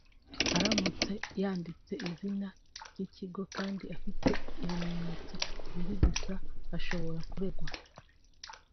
Aramutse yanditse izina ry'ikigo kandi adafite ibimenyetso (kubirigisa) ashobora kuregwa